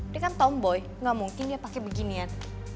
dia kan tomboy gak mungkin ya pake beginian